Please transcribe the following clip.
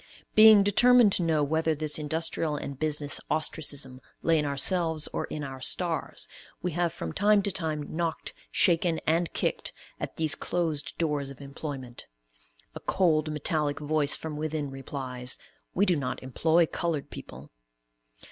Being determined to know whether this industrial and business ostracism lay in ourselves or "in our stars," we have from time to time, knocked, shaken, and kicked, at these closed doors of employment. A cold, metallic voice from within replies, "We do not employ colored people."